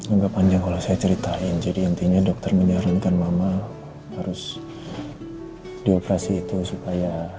agak panjang kalau saya ceritain jadi intinya dokter menjalankan mama harus di operasi itu supaya